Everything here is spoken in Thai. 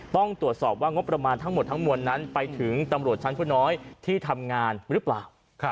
ต้องตรวจสอบว่างบประมาณทั้งหมดทั้งมวลนั้นไปถึงตำรวจชั้นผู้น้อยที่ทำงานหรือเปล่า